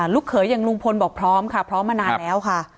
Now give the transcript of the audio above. ลูกเขยอย่างลุงพลบอกพร้อมค่ะพร้อมมานานแล้วค่ะ